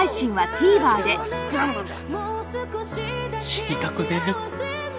死にたくねえよ。